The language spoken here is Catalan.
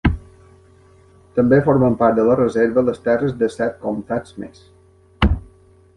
També formen part de la reserva les terres de set comtats més.